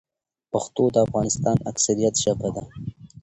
پښتو د افغانستان اکثريت ژبه ده.